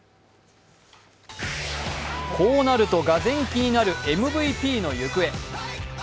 こうなるとがぜん気になるＭＶＰの行方。